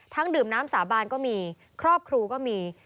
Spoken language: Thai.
ดื่มน้ำสาบานก็มีครอบครูก็มี